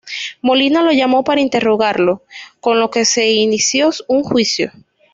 Molina lo llamó para interrogarlo, con lo que se inició un juicio.